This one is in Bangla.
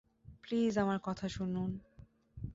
প্লিজ আমার কথা শুনুন।